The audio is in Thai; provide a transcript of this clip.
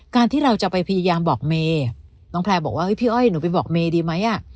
การที่เราจะไปพยายามบอกเมย์น้องแพลร์บอกว่าพี่อ้อยหนูไปบอกเมย์ดีไหมอ่ะ